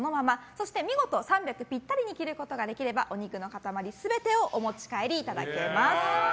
そして見事３００ｇぴったりに切ることができればお肉の塊全てうぃお持ち帰りいただけます。